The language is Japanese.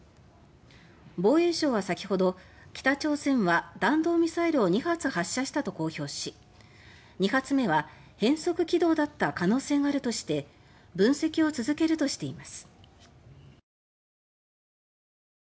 防衛省は先ほど北朝鮮は弾道ミサイルを２発発射したと公表し２発目は変速軌道だった可能性があるとして分析を続けるとしています。